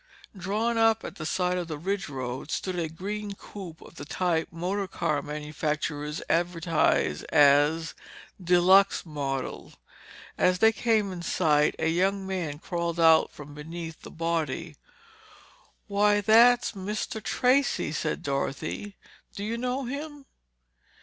Drawn up at the side of the ridge road stood a green coupe of the type motor car manufacturers advertise as "de luxe model." As they came in sight, a young man crawled out from beneath the body. "Why, that's Mr. Tracey," said Dorothy. "Do you know him?"